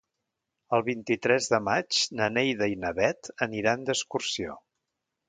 El vint-i-tres de maig na Neida i na Bet aniran d'excursió.